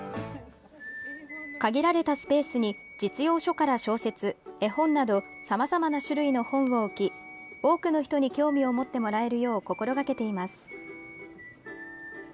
限られたスペースに実用書から小説、絵本などさまざまな種類の本を置き多くの人に興味を持ってもらえるよう心がけています。